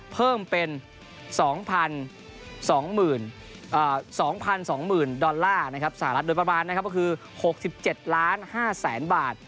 เพิ่มเป็น๒๐๒๐ดอลลาร์นะครับสหรัฐโดยประมาณนะครับก็คือ๖๗๕๐๐๐๐๐บาท